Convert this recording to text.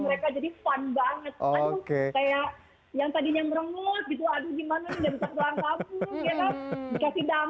mereka jadi fun banget oke kayak yang tadinya merungut gitu aja gimana udah kita berdoa kamu